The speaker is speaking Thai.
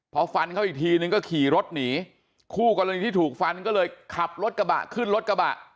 พอฟันเขาอีกทีนึงก็ขี่รถหนีคู่กรณีที่ถูกฟันก็เลยขับรถกระบะขึ้นรถกระบะ